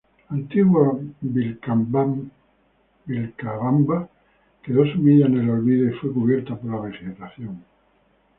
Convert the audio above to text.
La antigua Vilcabamba quedó sumida en el olvido y fue cubierta por la vegetación.